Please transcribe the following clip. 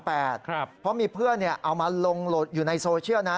เพราะมีเพื่อนเอามาลงอยู่ในโซเชียลนะ